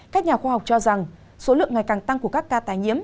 các nhà khoa học cho rằng số lượng ngày càng tăng của các ca tài nhiễm